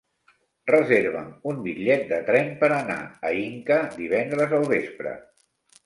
Reserva'm un bitllet de tren per anar a Inca divendres al vespre.